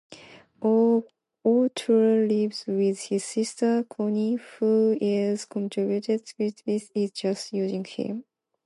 O'Toole lives with his sister, Connie, who is convinced Crispini is just using him.